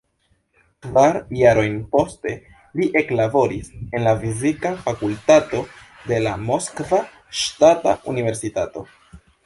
Kvar jarojn poste, li eklaboris en la Fizika Fakultato de la Moskva Ŝtata Universitato.